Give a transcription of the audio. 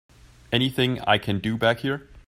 Anything I can do back here?